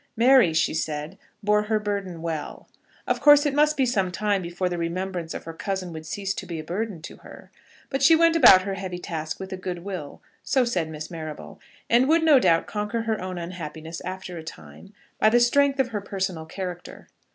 Mary, she said, bore her burden well. Of course, it must be some time before the remembrance of her cousin would cease to be a burden to her; but she went about her heavy task with a good will, so said Miss Marrable, and would no doubt conquer her own unhappiness after a time by the strength of her personal character.